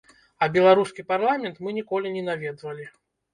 А беларускі парламент мы ніколі не наведвалі.